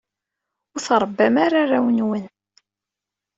Ur trebbam ara arraw-nwen.